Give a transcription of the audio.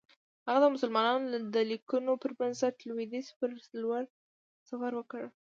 هغه د مسلمانانو د لیکنو پر بنسټ لویدیځ پر لور سفر وکړ.